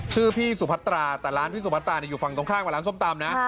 ชื่อพี่สุพัตราแต่ร้านพี่สุพัตราอยู่ฝั่งตรงข้ามกับร้านส้มตำนะ